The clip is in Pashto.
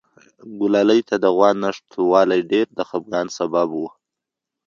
ګلالۍ ته د غوا نشتوالی ډېر د خپګان سبب و.